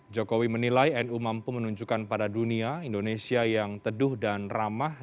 jokowi menilai nu mampu menunjukkan pada dunia indonesia yang teduh dan ramah